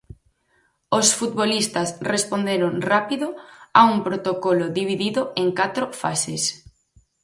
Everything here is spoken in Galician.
Os futbolistas responderon rápido a un protocolo dividido en catro fases.